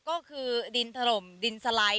ก็คือดินถล่มดินสไลด์